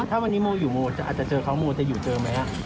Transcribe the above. ถ้าวันนี้โมอยู่โมอาจจะเจอเขาโมจะอยู่เจอไหม